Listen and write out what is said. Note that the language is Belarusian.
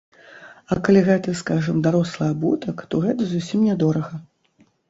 А калі гэта, скажам, дарослы абутак, то гэта зусім нядорага.